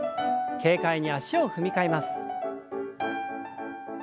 軽快に脚を踏み替えます。